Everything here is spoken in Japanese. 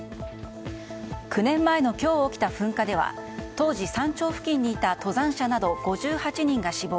９年前の今日起きた噴火では当時、山頂付近にいた登山者など５８人が死亡。